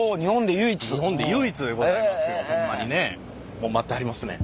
もう待ってはりますね。